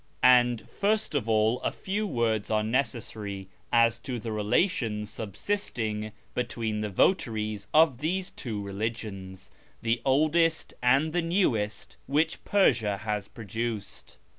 And first of all a few words are necessary as to the relations subsisting between the votaries of these two religions, the oldest and the newest which Persia has produced.